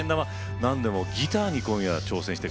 何でもギターに今夜は挑戦して下さって。